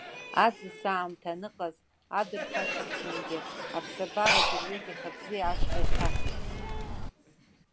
Аӡысаамҭа аныҟаз адырхашықәсангьы аԥсабара дырҩегьых абзиа ашҟа ихьаҳәит.